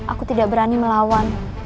aku tidak berani melawan